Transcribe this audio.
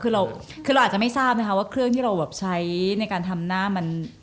คือเราอาจจะไม่ทราบว่าเครื่องที่เราใช้ในการทำหน้ามัน